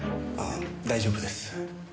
ああ大丈夫です。